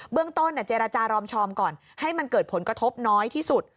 เรื่องต้นเจรจารอมชอมก่อนให้มันเกิดผลกระทบน้อยที่สุด